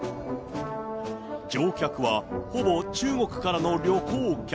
乗客はほぼ中国からの旅行客。